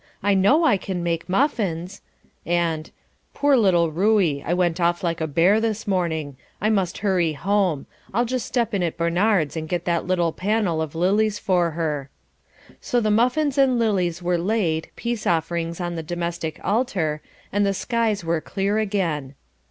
I know I can make muffins;" and "Poor little Ruey, I went off like a bear this morning; I must hurry home; I'll just step in at Barnard's and get that little panel of lilies for her." So the muffins and lilies were laid, peace offerings on the domestic altar, and the skies were clear again.